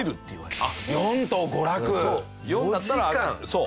そう。